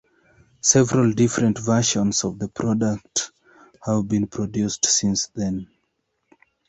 Several different versions of the product have been produced since then.